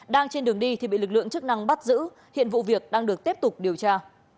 đang trên đường đi thì bị lực lượng chức năng bắt giữ hiện vụ việc đang được tiếp tục điều tra